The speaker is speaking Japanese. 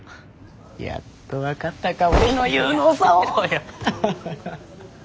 やっと分かったか俺の有能さを。